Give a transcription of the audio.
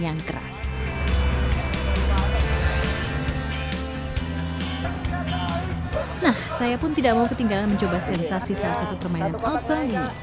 nah saya pun tidak mau ketinggalan mencoba sensasi salah satu permainan outbourney